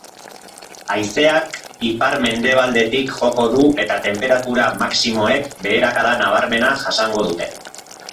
Haizeak ipar-mendebaldetik joko du eta tenperatura maximoek beherakada nabarmena jasango dute.